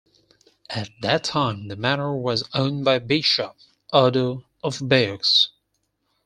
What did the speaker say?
At that time the manor was owned by Bishop Odo of Bayeux.